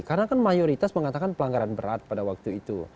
karena kan mayoritas mengatakan pelanggaran berat pada waktu itu